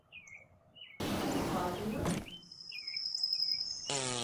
Bunun farkında mısın?